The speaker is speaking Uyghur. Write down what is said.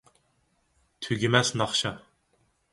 تۈگىمەس ناخشا